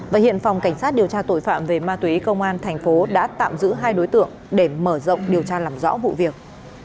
và hiện phòng cảnh sát điều tra tội phạm về ma túy công an thành phố đã tạm giữ hai đối tượng để mở rộng điều tra làm rõ vụ việc